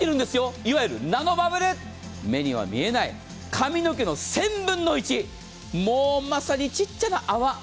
いわゆるナノバブル、目には見えない髪の毛の１０００分の１、まさにちっちゃな穴。